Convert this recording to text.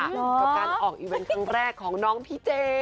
กับการออกอีเวนต์ครั้งแรกของน้องพี่เจ